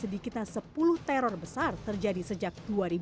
dikita sepuluh teror besar terjadi sejak dua ribu tujuh belas